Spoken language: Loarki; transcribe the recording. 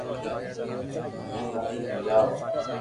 مني متي ھمجاو